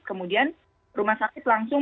kemudian rumah sakit langsung